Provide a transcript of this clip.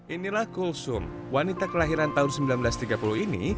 inilah kul sum wanita kelahiran tahun seribu sembilan ratus tiga puluh ini